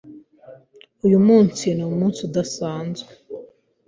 Uyu munsi numunsi udasanzwe.